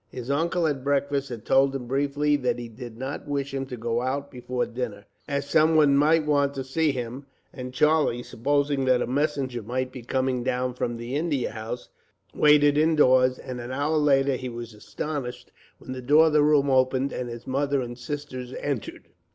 His uncle, at breakfast, had told him briefly that he did not wish him to go out before dinner, as someone might want to see him; and Charlie, supposing that a messenger might be coming down from the India House, waited indoors; and an hour later he was astonished, when the door of the room opened and his mother and sisters entered.